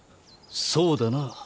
そうだな。